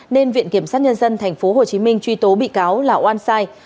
nên viện kiểm sát nhân dân tp hcm truy tố bị cáo là oan sai